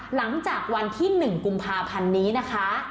หลังจากวันที่๑กุมภาพันธ์นี้นะคะ